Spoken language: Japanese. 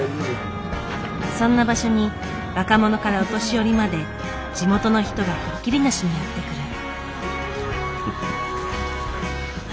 そんな場所に若者からお年寄りまで地元の人がひっきりなしにやって来る。